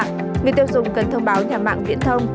người tiêu dùng cần thông báo nhà mạng viễn thông